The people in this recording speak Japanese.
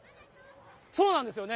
そうなんですよね。